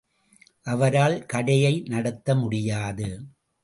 அவரால் கடையை நடத்தமுடியாது.